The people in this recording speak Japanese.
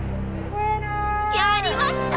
やりました！